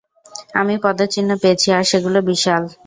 আমি পদচিহ্ন পেয়েছি, আর সেগুলো বিশাল।